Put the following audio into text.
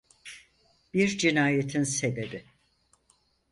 Bir Cinayetin Sebebi.